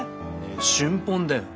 春本だよ。